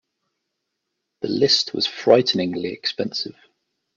The list was frighteningly extensive.